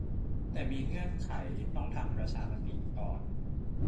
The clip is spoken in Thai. แต่มีเงื่อนไขต้องทำประชามติก่อน